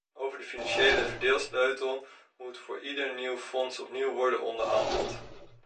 Over de financiële verdeelsleutel moet voor ieder nieuw fonds opnieuw worden onderhandeld.